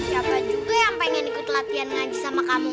siapa juga yang pengen ikut latihan ngaji sama kamu